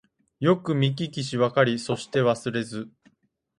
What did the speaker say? よくみききしわかりそしてわすれず